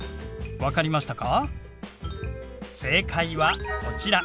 分かりましたか？